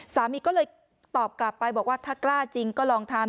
สามีก็เลยตอบกลับไปบอกว่าถ้ากล้าจริงก็ลองทำ